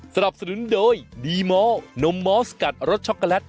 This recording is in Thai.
สนับสนุนโดยดีมอลนมมอสกัดรสช็อกโกแลต